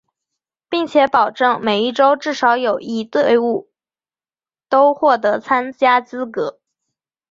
并且保证每一洲至少有一队伍都获得参加资格。